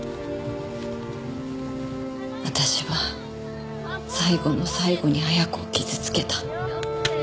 私は最後の最後に恵子を傷つけた。